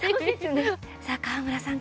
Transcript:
さあ、川村さん